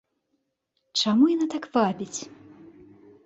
Чаму яна так вабіць?